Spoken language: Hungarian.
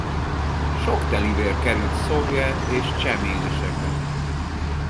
Sok telivér került szovjet és cseh ménesekbe.